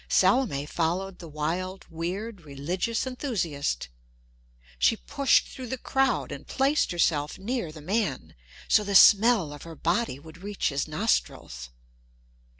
Salome followed the wild, weird, religious enthusiast. She pushed through the crowd and placed herself near the man, so the smell of her body would reach his nostrils.